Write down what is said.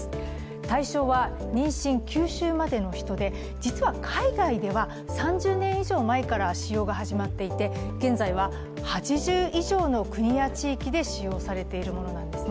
実は海外では３０年以上前から使用が始まっていて現在は８０以上の国や地域で使用されているものなんですね。